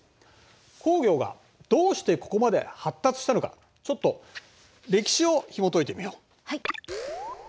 工業がどうしてここまで発達したのかちょっと歴史をひもといてみよう。